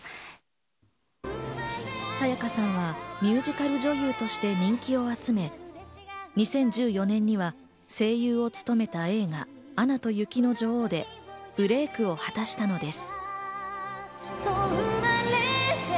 沙也加さんはミュージカル女優として人気を集め、２０１４年には声優を務めた映画『アナと雪の女王』でブレイクを果たしたのです。